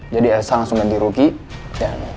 jadi elsa langsung ganti rugi dan gak lebih